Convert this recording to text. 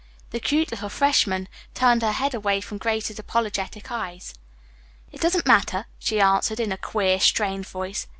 The "cute" little freshman turned her head away from Grace's apologetic gray eyes. "It doesn't matter," she answered in a queer, strained voice.